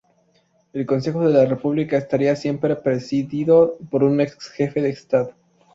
El consejo de la República estaría siempre presidido por un ex-jefe de Estado.